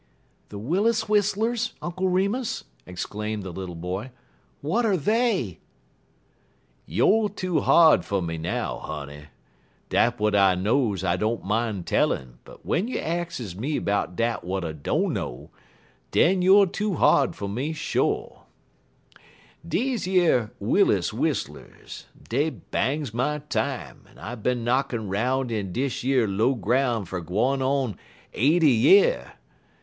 " "The Willis whistlers, Uncle Remus," exclaimed the little boy. "What are they?" "Youer too hard fer me now, honey. Dat w'at I knows I don't min' tellin', but w'en you axes me 'bout dat w'at I dunno, den youer too hard fer me, sho'. Deze yer Willis whistlers, dey bangs my time, en I bin knockin' 'roun' in dish yer low groun' now gwine on eighty year.